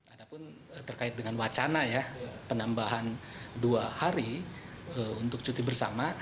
ada pun terkait dengan wacana ya penambahan dua hari untuk cuti bersama